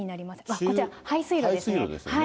こちら、排水路ですね。